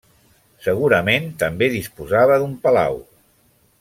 Segurament també disposava d'un palau.